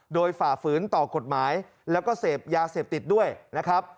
โดยฝ่าฝืนต่อกฎหมายแล้วก็เสพยาเสพติดด้วยนะครับ